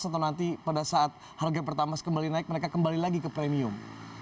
atau nanti pada saat harga pertamax kembali naik mereka kembali lagi ke premium